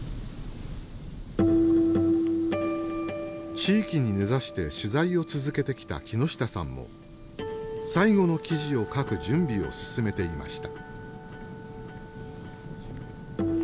地域に根ざして取材を続けてきた木下さんも最後の記事を書く準備を進めていました。